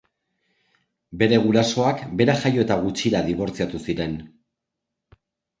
Bere gurasoak bera jaio eta gutxira dibortziatu ziren.